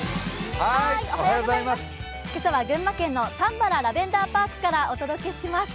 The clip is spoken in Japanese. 今朝は群馬県のたんばらラベンダーパークからお届けします。